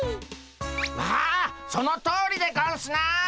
ああそのとおりでゴンスな。